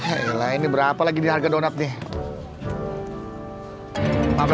eh lah ini berapa lagi harga donatnya